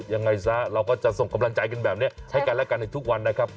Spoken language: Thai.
ยังไงซะเราก็จะส่งกำลังใจกันแบบนี้ใช้กันและกันในทุกวันนะครับ